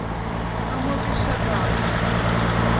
«А мо пеш шагал?»